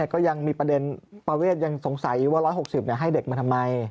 ก็ยังมีประเด็นประเวทยังสงสัยอยู่ว่า๑๖๐ให้เด็กมาทำไม